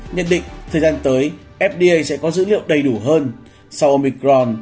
nhận định thời gian tới fda sẽ có dữ liệu đầy đủ hơn sau omicron